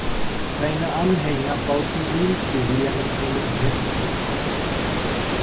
Seine Anhänger bauten ihm zu Ehren einen Tempel.